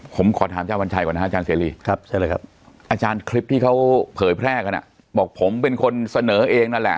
ผมขอถามอาจารย์วัญชัยก่อนนะฮะอาจารย์เสรีอาจารย์คลิปที่เขาเผยแพร่กันบอกผมเป็นคนเสนอเองนั่นแหละ